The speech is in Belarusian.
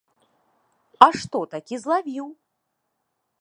А што, такі злавіў!